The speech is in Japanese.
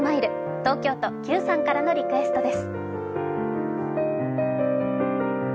東京都・きゅーさんからのリクエストです。